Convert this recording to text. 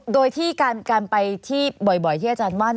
โดยที่การไปที่บ่อยที่อาจารย์ว่า